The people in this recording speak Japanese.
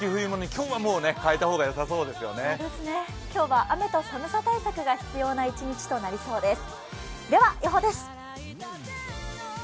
今日は雨と寒さ対策が必要な一日となりそうです。